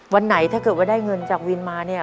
วันไหนถ้าเกิดว่าได้เงินจากวินมาเนี่ย